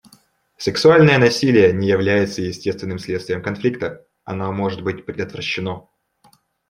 Сексуальное насилие не является естественным следствием конфликта, оно может быть предотвращено.